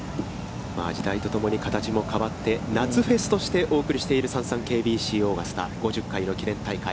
時代とともに形も変わって夏フェスとしてお送りしているＳａｎｓａｎＫＢＣオーガスタ、５０回の記念大会。